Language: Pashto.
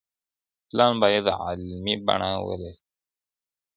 پلان بايد عملي بڼه ولري.